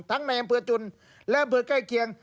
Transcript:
ในอำเภอจุนและอำเภอใกล้เคียง